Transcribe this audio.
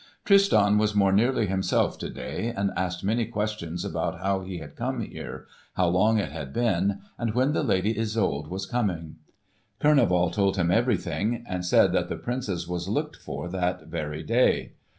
Tristan was more nearly himself to day, and asked many questions about how he had come here, how long it had been, and when the Lady Isolde was coming. Kurneval told him everything, and said that the Princess was looked for, that very day.